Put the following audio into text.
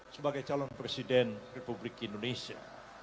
sebagai calon presiden republik indonesia